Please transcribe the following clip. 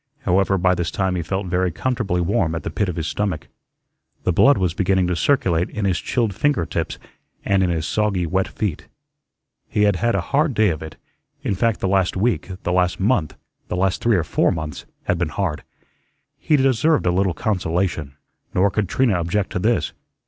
However, by this time he felt very comfortably warm at the pit of his stomach. The blood was beginning to circulate in his chilled finger tips and in his soggy, wet feet. He had had a hard day of it; in fact, the last week, the last month, the last three or four months, had been hard. He deserved a little consolation. Nor could Trina object to this.